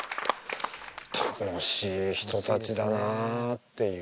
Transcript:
楽しい人たちだなっていう。